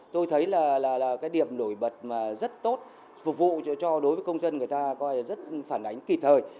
tôi thấy là cái điểm nổi bật mà rất tốt phục vụ cho đối với công dân người ta rất phản ánh kịp thời